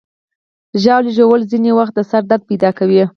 ژاوله ژوول ځینې وخت د سر درد پیدا کوي.